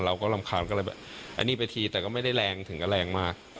เราก็รำคาญก็เลยแบบอันนี้ไปทีแต่ก็ไม่ได้แรงถึงกับแรงมาก